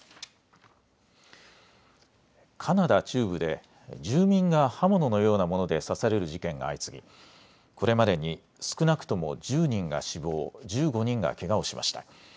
カナダ中部で住民が刃物のようなもので刺される事件が相次ぎこれまでに少なくとも１０人が死亡、１５人がけがをしました。